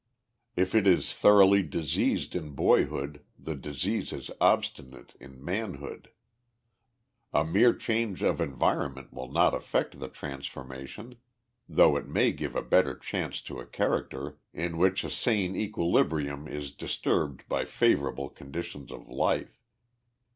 If it is thoroughly diseased in boyhood, the disease is obstinate in manhood. A mere change of environment will not affect the transformation, though it may give a better chance to a character in which a sane equilibrium is disturbed by unfavorable condi tions of life.